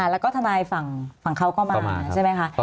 แล้วก็ทนายฝั่งเขาก็มาใช่ไหมคะ